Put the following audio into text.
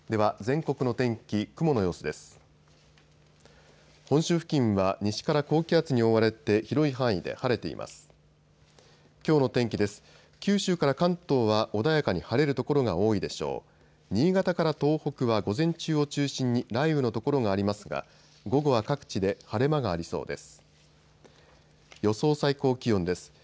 新潟から東北は午前中を中心に雷雨の所がありますが午後は各地で晴れ間がありそうです。